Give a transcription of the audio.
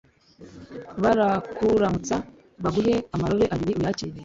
barakuramutsa baguhe amarobe abiri uyakire